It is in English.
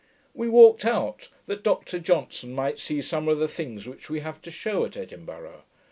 We walked out, that Dr Johnson might see some of the things which we have to shew at Edinburgh.